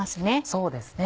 そうですね。